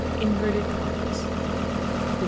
INVERTED COMMAS LIII.